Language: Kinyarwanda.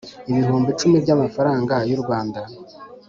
ibihumbi icumi by amafaranga y u Rwanda